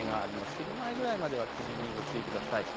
昼前ぐらいまでは霧にご注意ください。